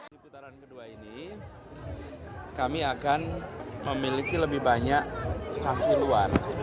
di putaran ke dua ini kami akan memiliki lebih banyak sanksi luar